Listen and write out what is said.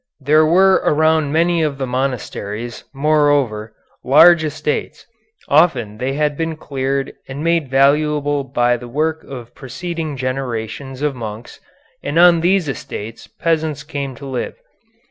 There were around many of the monasteries, moreover, large estates; often they had been cleared and made valuable by the work of preceding generations of monks, and on these estates peasants came to live.